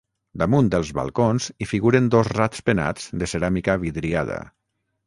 Damunt dels balcons hi figuren dos rats penats de ceràmica vidriada.